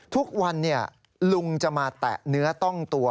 ทุกวันลุงจะมาแตะเนื้อต้องตัว